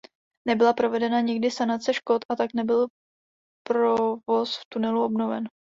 Nebyla provedena nikdy sanace škod a tak nebyl provoz v tunelu obnoven.